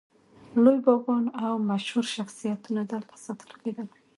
لوی باغیان او مشهور شخصیتونه دلته ساتل کېدل.